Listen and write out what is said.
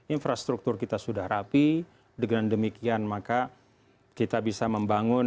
infrastruktur kita sudah rapi dengan demikian maka kita bisa membangun